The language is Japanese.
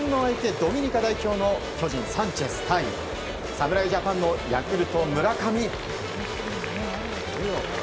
ドミニカ代表の巨人、サンチェス対侍ジャパンのヤクルト、村上。